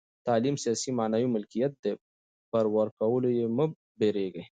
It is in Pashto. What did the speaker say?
تعلیم ستاسي معنوي ملکیت دئ، پر ورکولو ئې مه بېرېږئ!